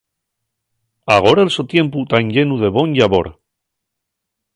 Agora'l so tiempu ta enllenu de bon llabor.